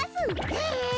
え！？